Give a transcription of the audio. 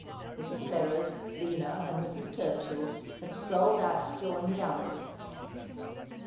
Mrs. Ferrers, Lina, and Mrs. Turchill had strolled out to join the others.